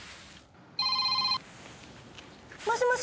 もしもし。